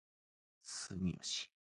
住吉